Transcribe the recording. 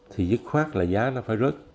thì dứt khoát là giá nó phải rớt